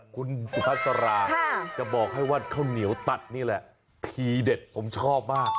คุณสุภาษาราจะบอกให้ว่าข้าวเหนียวตัดนี่แหละทีเด็ดผมชอบมาก